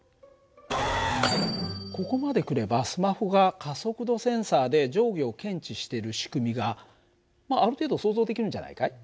ここまでくればスマホが加速度センサーで上下を検知してる仕組みがある程度想像できるんじゃないかい？